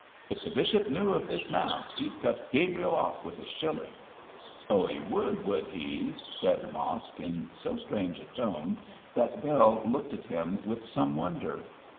If the bishop knew of this now, he'd cut Gabriel off with a shilling.' 'Oh, he would, would he?' said Mosk, in so strange a tone that Bell looked at him with some wonder.